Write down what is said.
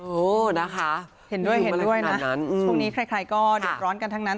โอ้นะคะเห็นด้วยนะช่วงนี้ใครก็เดี๋ยวร้อนกันทั้งนั้น